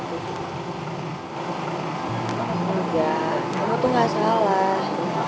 enggak kamu tuh gak salah